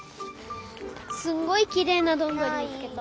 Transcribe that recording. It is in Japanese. すんごいきれいなどんぐりみつけた。